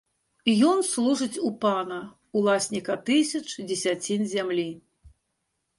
Ён служыць у пана, уласніка тысяч дзесяцін зямлі.